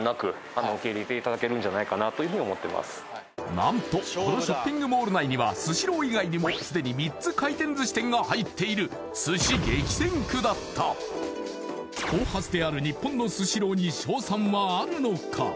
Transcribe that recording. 何とこのショッピングモール内にはスシロー以外にも既に３つ回転寿司店が入っている後発である日本のスシローに勝算はあるのか？